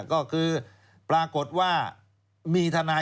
ก็คือปรากฏว่า